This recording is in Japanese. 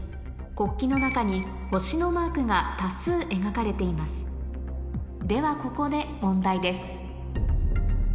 国旗の中に星のマークが多数描かれていますではここで問題です